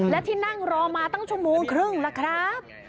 และที่นั่งรอมาตั้งชั่วโมงครึ่งล่ะครับ